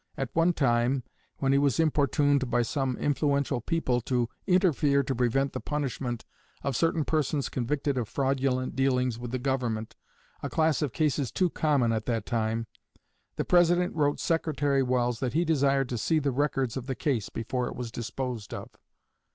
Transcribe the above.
At one time, when he was importuned by some influential people to interfere to prevent the punishment of certain persons convicted of fraudulent dealings with the government a class of cases too common at that time the President wrote Secretary Welles that he desired to see the records of the case before it was disposed of.